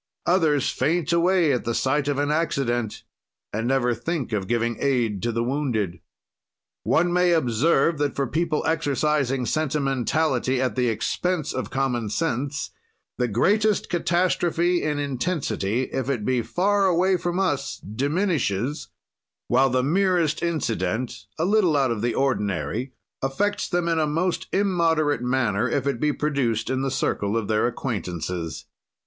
Others faint away at sight of an accident and never think of giving aid to the wounded. One may observe that for people exercising sentimentality at the expense of common sense, the greatest catastrophe in intensity, if it be far away from us, diminishes, while the merest incident, a little out of the ordinary, affects them in a most immoderate manner if it be produced in the circle of their acquaintances.